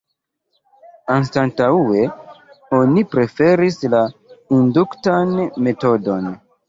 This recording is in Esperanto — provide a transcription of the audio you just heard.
Anstataŭe oni preferis la induktan metodon.